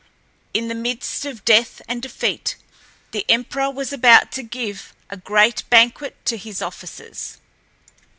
In the midst of death and defeat the emperor was about to give a great banquet to his officers.